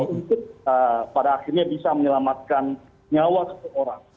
untuk pada akhirnya bisa menyelamatkan nyawa seseorang